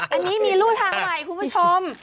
อันนี้มีรูทางใหม่คุณผู้ชม